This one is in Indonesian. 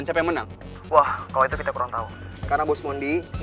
jadi mungkin kalah ma kana kalah aja dia